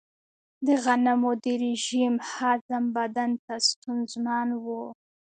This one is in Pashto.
د غنمو د رژیم هضم بدن ته ستونزمن و.